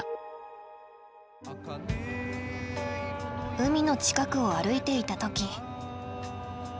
海の近くを歩いていた時。